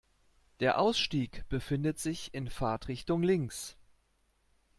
Der Ausstieg befindet sich in Fahrtrichtung links.